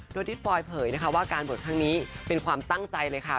โดยทิศปลอยเผยนะคะว่าการบวชครั้งนี้เป็นความตั้งใจเลยค่ะ